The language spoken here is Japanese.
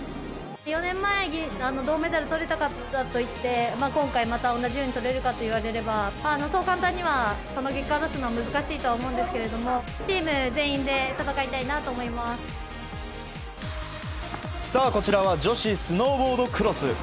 ４年前に銅メダルとれたからといって、今回、また同じようにとれるかといわれれば、そう簡単にはその結果を出すのは難しいとは思うんですけれども、チーム全員で戦いたいなとさあ、こちらは女子スノーボードクロス。